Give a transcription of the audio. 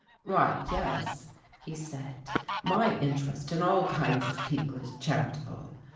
"Why, yes," he said, "my interest in all kinds of people is charitable.